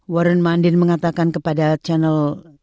warren mundine mengatakan kepada channel sembilan